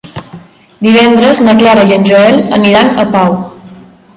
Divendres na Clara i en Joel aniran a Pau.